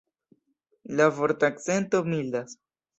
La vortakcento mildas.